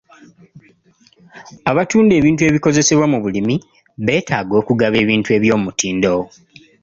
Abatunda ebintu ebikozesebwa mu bulimi beetaaga okugaba ebintu eby'omutindo.